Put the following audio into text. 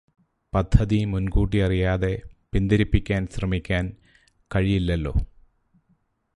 പദ്ധതി മുൻകൂട്ടി അറിയാതെ പിന്തിരിപ്പിക്കാൻ ശ്രമിക്കാൻ കഴിയില്ലല്ലോ.